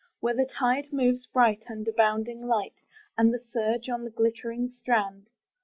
Where the tide moves bright under bounding light, And the surge on the glittering strand.